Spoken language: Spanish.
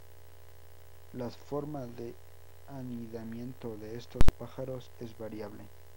Las forma de anidamiento de estos pájaros es variable.